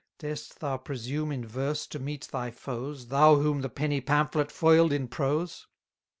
Dar'st thou presume in verse to meet thy foes, 490 Thou whom the penny pamphlet foil'd in prose?